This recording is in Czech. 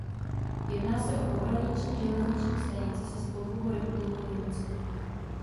Jedná se o pohraniční železniční stanici se Spolkovou republikou Německo.